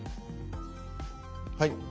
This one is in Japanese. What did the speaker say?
はい。